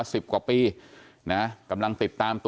เดี๋ยวให้กลางกินขนม